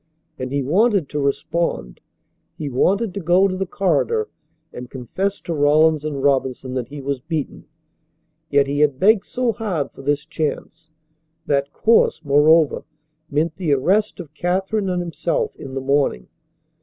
And he wanted to respond. He wanted to go to the corridor and confess to Rawlins and Robinson that he was beaten. Yet he had begged so hard for this chance! That course, moreover, meant the arrest of Katherine and himself in the morning.